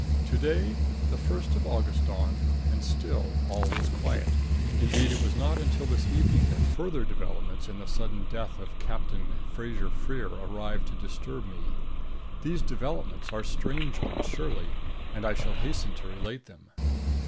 To day, the first of August dawned, and still all was quiet. Indeed, it was not until this evening that further developments in the sudden death of Captain Fraser Freer arrived to disturb me. These developments are strange ones surely, and I shall hasten to relate them.